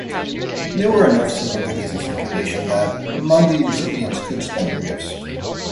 There were enough silver pennies in circulation that Maundy recipients could spend their gifts.